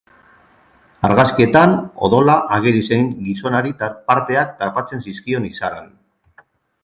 Argazkietan, odola ageri zen gizonari parteak tapatzen zizkion izaran.